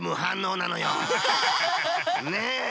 ねえ！